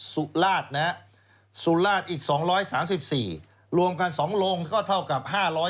สุรราชอีก๒๓๔รวมกัน๒โรงก็เท่ากับ๕๗๔